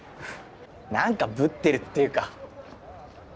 何かぶってるっていうか。